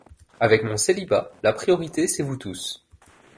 Avec mon célibat, la priorité, c'est vous tous.